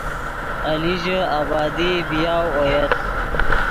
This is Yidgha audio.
ایلیژے آبادی بی یاؤ اویت